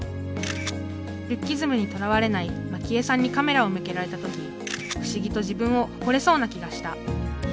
ルッキズムにとらわれないマキエさんにカメラを向けられた時不思議と自分を誇れそうな気がしたいい写真。